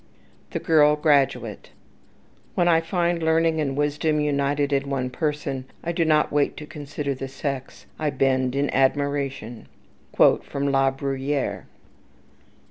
The Girl Graduate "When I find learning and wisdom united in one person, I do not wait to consider the sex; I bend in admiration." LA BRUYERE.